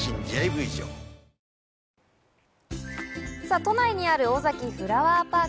都内にあるオザキフラワーパーク。